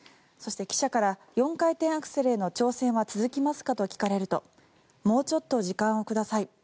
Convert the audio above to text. そして、記者から４回転アクセルへの挑戦は続きますか？と聞かれるともうちょっと時間をください